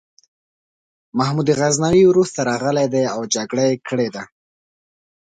محمود غزنوي وروسته راغلی دی او جګړه یې کړې ده.